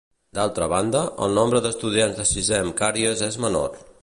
D'altra banda, el nombre d'estudiants de sisè amb càries és menor.